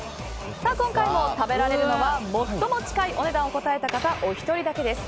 今回も食べられるのは最も近いお値段を答えた方お一人だけです。